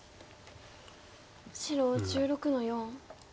白１６の四。